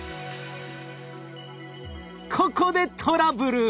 ここでトラブル。